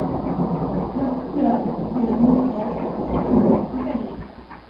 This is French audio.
Leur couleur doit donc être strictement encadrée.